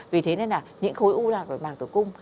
vì thế nên là những khối u lạc đội bạc tử cung